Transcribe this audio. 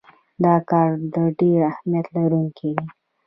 دا کار د ډیر اهمیت لرونکی دی.